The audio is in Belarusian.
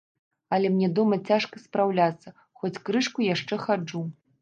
Але мне дома цяжка спраўляцца, хоць крышку яшчэ хаджу.